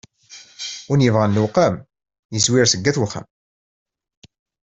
Win yebɣan lewqam, yezwir seg at wexxam.